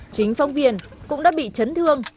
chính phóng viên cũng đã bị chấn thương